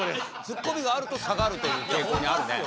ツッコミがあると下がるという傾向にあるね。